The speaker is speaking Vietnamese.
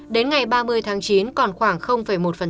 đến ngày ba mươi tháng chín còn khoảng một